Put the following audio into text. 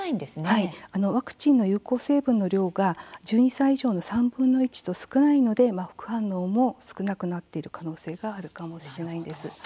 ワクチンの有効成分の量が１２歳以上の３分の１と少ないので副反応も少なくなっている可能性があるかもしれないんです。